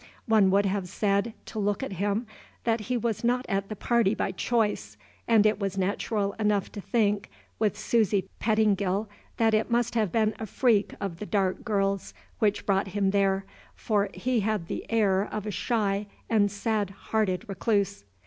One would have said, to look at him, that he was not at the party by choice; and it was natural enough to think, with Susy Pettingill, that it must have been a freak of the dark girl's which brought him there, for he had the air of a shy and sad hearted recluse.